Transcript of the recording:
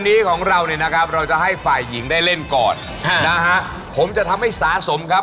นี้ของเราเลยนะครับเราจะให้ฝ่ายหญิงได้เล่นก่อนนะฮะผมจะทำให้